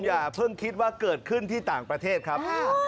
อย่าเพิ่งคิดว่าเกิดขึ้นที่ต่างประเทศครับ